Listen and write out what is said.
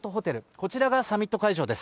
こちらがサミット会場です。